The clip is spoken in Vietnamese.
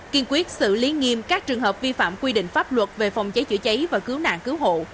kiên quyết xử lý nghiêm các trường hợp vi phạm quy định pháp luật về phòng cháy chữa cháy và cứu nạn cứu hộ